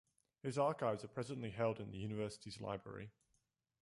His archives are presently held in the university's library.